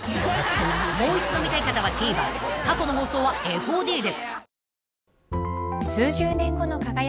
［もう一度見たい方はＴＶｅｒ過去の放送はＦＯＤで］